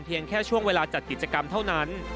แค่ช่วงเวลาจัดกิจกรรมเท่านั้น